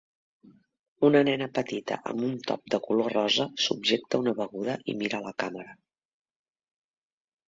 Una nena petita amb un top de color rosa subjecta una beguda i mira a la càmera.